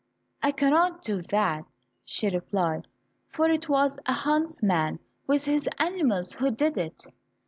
"I cannot do that," she replied, "for it was a huntsman with his animals who did it."